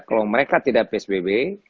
kalau mereka tidak psbb